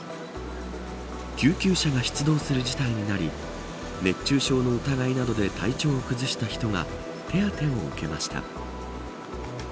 救急車が出動する事態になり熱中症の疑いなどで体調を崩した人が手当を受けました。